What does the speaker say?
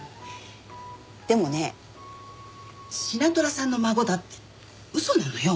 でもねシナトラさんの孫だっての嘘なのよ。